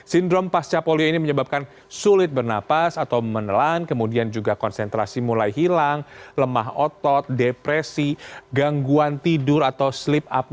sindrom pasca polio ini menyebabkan sulit bernapas atau menelan kemudian juga konsentrasi mulai hilang lemah otot depresi gangguan tidur atau sleep up